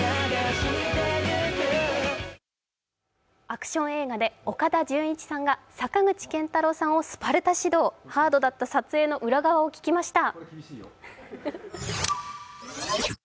アクション映画で岡田准一さんが坂口健太郎さんをスパルタ指導、ハードだった撮影の裏側を聞きました。